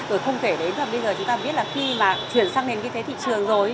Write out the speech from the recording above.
rồi không kể đến là bây giờ chúng ta biết là khi mà chuyển sang đến cái thế thị trường rồi